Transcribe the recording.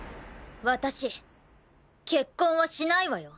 私結婚はしないわよ。